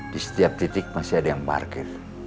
di setiap titik masih ada yang parkir